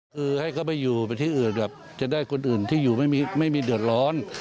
คือให้เขาไปอยู่ไปที่อื่นแบบจะได้คนอื่นที่อยู่ไม่มีเดือดร้อน